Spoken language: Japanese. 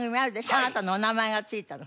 あなたのお名前が付いたの。